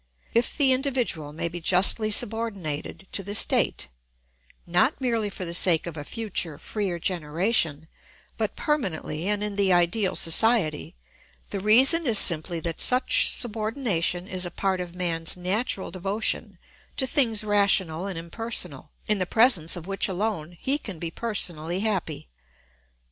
If the individual may be justly subordinated to the state, not merely for the sake of a future freer generation, but permanently and in the ideal society, the reason is simply that such subordination is a part of man's natural devotion to things rational and impersonal, in the presence of which alone he can be personally happy.